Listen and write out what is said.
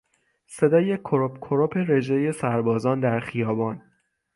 صدای کرپ کرپ رژهی سربازان در خیابان